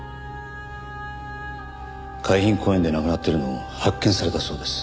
海浜公園で亡くなっているのを発見されたそうです。